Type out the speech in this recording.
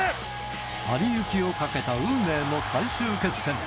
パリ行きをかけた運命の最終決戦。